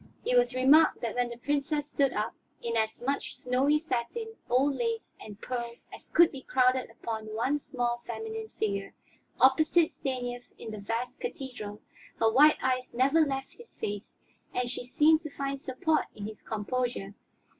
It was remarked that when the Princess stood up, in as much snowy satin, old lace and pearl as could be crowded upon one small feminine figure, opposite Stanief in the vast cathedral, her wide eyes never left his face, and she seemed to find support in his composure.